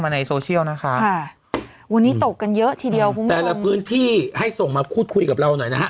ในโซเชียลนะคะค่ะวันนี้ตกกันเยอะทีเดียวคุณผู้ชมแต่ละพื้นที่ให้ส่งมาพูดคุยกับเราหน่อยนะฮะ